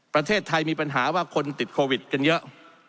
ประเทศไทยมีปัญหาว่าคนติดโควิดกันเยอะ